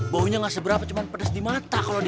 baunya gak seberapa cuma pedes di mata kalau dia